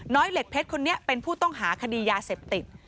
เหล็กเพชรคนนี้เป็นผู้ต้องหาคดียาเสพติด